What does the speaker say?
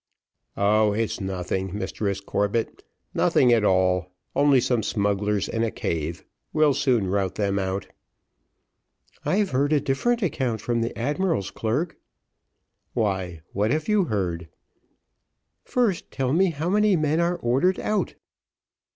"Oh, it's nothing, Mistress Corbett, nothing at all, only some smugglers in a cave; we'll soon rout them out." "I've heard a different account from the admiral's clerk." "Why, what have you heard?" "First, tell me how many men are ordered out."